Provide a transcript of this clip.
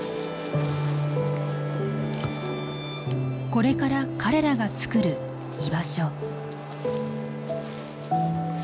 これから彼らがつくる居場所。